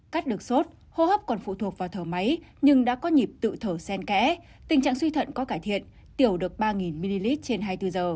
cắt được sốt hô hấp còn phụ thuộc vào thở máy nhưng đã có nhịp tự thở sen kẽ tình trạng suy thận có cải thiện tiểu được ba ml trên hai mươi bốn giờ